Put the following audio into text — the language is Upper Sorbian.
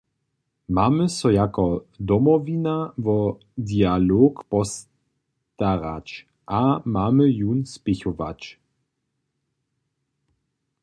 Mamy so jako Domowina wo dialog postarać a mamy jón spěchować.